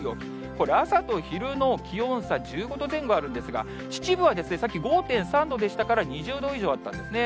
これ、朝と昼の気温差１５度前後あるんですが、秩父はさっき５．３度でしたから、２０度以上あったんですね。